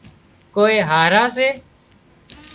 ڪوئي هاۯا سي